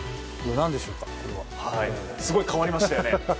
すごい変わりましたよね。